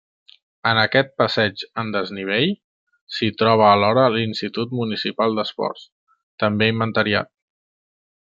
En aquest passeig en desnivell, s'hi troba alhora l'Institut Municipal d'Esports, també inventariat.